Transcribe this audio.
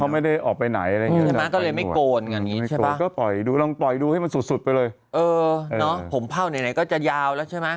ไม่โกนก็ปล่อยดูลองปล่อยดูให้มันสุดไปเลยเออเนาะผมเผ่าไหนก็จะยาวแล้วใช่ไหม